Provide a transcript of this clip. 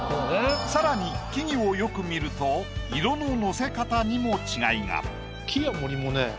更に木々をよく見ると色ののせ方にも違いが。